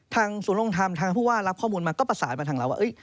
ศูนย์ลงทำทางผู้ว่ารับข้อมูลมาก็ประสานมาทางเราว่า